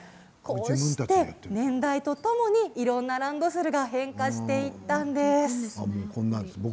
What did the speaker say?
こうして年代とともにいろいろなランドセルが変化していったんです。